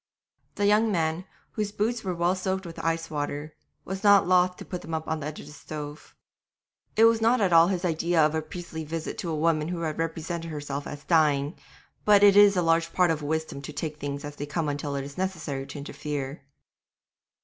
The young man, whose boots were well soaked with ice water, was not loth to put them up on the edge of the stove. It was not at all his idea of a priestly visit to a woman who had represented herself as dying, but it is a large part of wisdom to take things as they come until it is necessary to interfere.